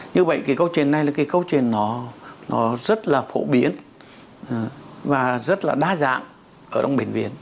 như vậy câu chuyện này là câu chuyện rất phổ biến và rất đa dạng ở đông bệnh viện